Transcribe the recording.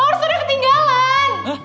power stone sudah ketinggalan